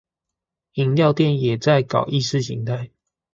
飲料店也在搞意識形態